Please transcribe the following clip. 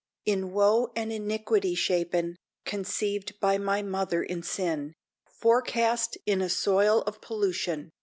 In woe and iniquity shapen, Conceived by my mother in sin, Forecast in a soil of pollution.